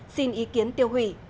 xin ý kiến tiêu hủy